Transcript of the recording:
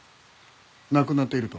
亡くなっていると？